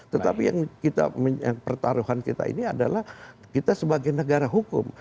tetapi yang kita pertaruhan kita ini adalah kita sebagai negara hukum